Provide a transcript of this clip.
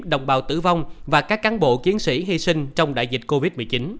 đồng bào tử vong và các cán bộ chiến sĩ hy sinh trong đại dịch covid một mươi chín